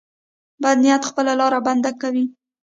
بد نیت خپله لار بنده کوي.